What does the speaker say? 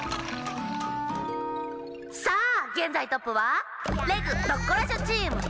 さあげんざいトップは「レグ・ドッコラショ」チーム。